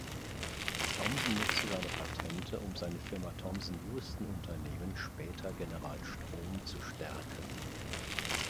Thomson nutzte seine Patente, um seine Firma Thomson-Houston-Unternehmen, später General Strom, zu stärken.